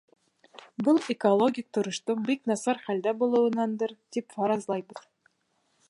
Был экологик тороштоң бик насар хәлдә булыуынандыр тип фаразлайбыҙ.